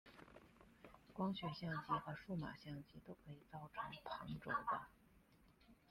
光学相机和数码相机都可以造成旁轴的。